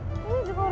ini juga udah pulang